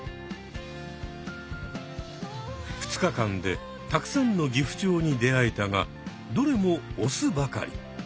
２日間でたくさんのギフチョウに出会えたがどれもオスばかり。